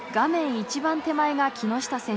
一番手前が木下選手。